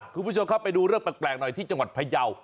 คุณผู้ชมครับไปดูเรื่องแปลกหน่อยที่จังหวัดพยาว